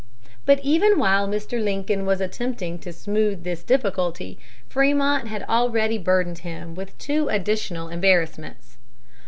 But even while Mr. Lincoln was attempting to smooth this difficulty, Frémont had already burdened him with two additional embarrassments.